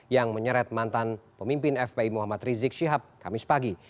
yang menyeret mantan pemimpin fpi muhammad rizik syihab kamis pagi